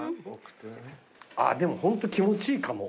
あぁでもホント気持ちいいかも。